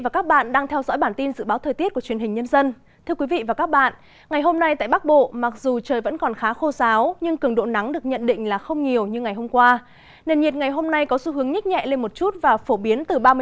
các bạn hãy đăng ký kênh để ủng hộ kênh của chúng mình nhé